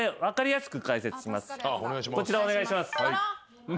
こちらお願いします。